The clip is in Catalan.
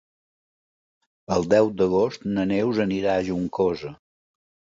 El deu d'agost na Neus anirà a Juncosa.